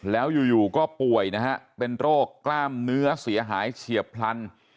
แล้วอยู่ก็ป่วยนะฮะเป็นโรคกล้ามเนื้อเสียหายเฉียบพลัน